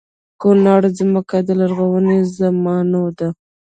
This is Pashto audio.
کونړ ځمکه د لرغونو زمانو ده